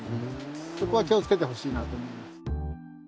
そこは気をつけてほしいなと思います。